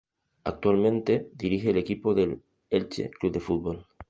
Actualmente dirige el equipo del Elche Club de Fútbol.